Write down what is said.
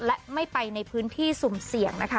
และไม่ไปในพื้นที่สุ่มเสี่ยงนะคะ